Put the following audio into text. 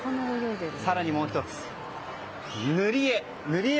更にもう１つ、塗り絵。